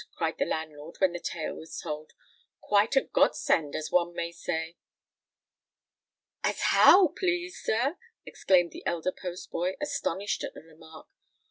cried the landlord, when the tale was told: "quite a God send, as one may say." "As how, please, sir?" exclaimed the elder postboy, astonished at the remark.